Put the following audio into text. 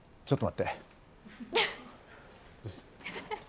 ちょっと待って？